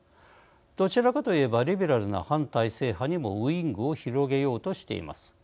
どちらかといえばリベラルな反体制派にもウイングを広げようとしています。